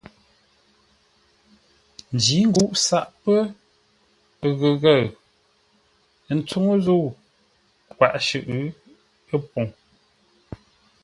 Njǐ nguʼ saʼ pə́ ghəghəʉ ə́ tsúŋú zə́u kwaʼ shʉʼʉ ə́ poŋ.